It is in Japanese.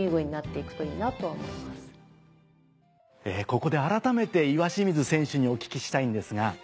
ここで改めて岩清水選手にお聞きしたいんですが。